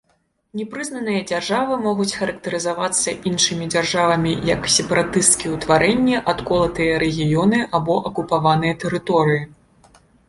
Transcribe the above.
Непрызнаныя дзяржавы могуць характарызавацца іншымі дзяржавамі як сепаратысцкія ўтварэнні, адколатыя рэгіёны або акупаваныя тэрыторыі.